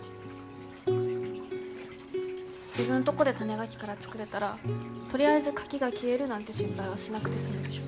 自分とごで種ガキから作れたらとりあえず、カキが消えるなんて心配はしなくて済むでしょ？